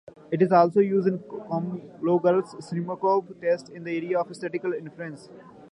It is also used in the Kolmogorov-Smirnov test in the area of statistical inference.